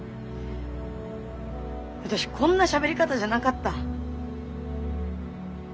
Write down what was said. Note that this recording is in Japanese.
私こんなしゃべり方じゃなかった。